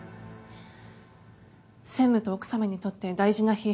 専務と奥さまにとって大事な日。